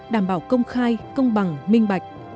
đảm bảo công khai công bằng minh bạch